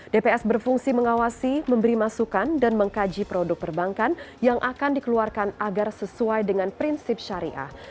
dps berfungsi mengawasi memberi masukan dan mengkaji produk perbankan yang akan dikeluarkan agar sesuai dengan prinsip syariah